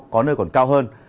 có nơi còn cao hơn